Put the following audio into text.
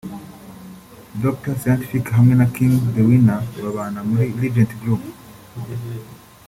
Dr Scientific hamwe na King The Winner babana muri Legends Group